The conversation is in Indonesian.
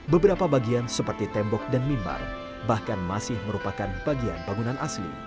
beberapa bagian seperti tembok dan mimbar bahkan masih merupakan bagian bangunan asli